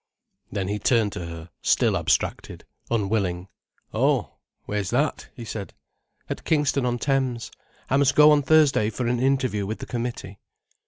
Then he turned to her, still abstracted, unwilling. "Oh, where's that?" he said. "At Kingston on Thames. I must go on Thursday for an interview with the Committee."